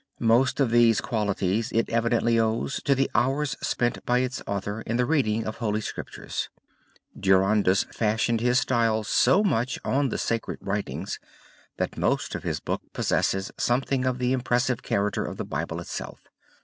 Most of these qualities it evidently owes to the hours spent by its author in the reading of Holy Scriptures. Durandus fashioned his style so much on the sacred writings that most of his book possesses something of the impressive character of the Bible itself.